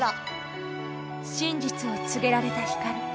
真実を告げられた光。